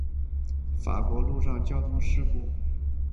法国陆上交通事故调查局总部位于巴黎拉德芳斯区。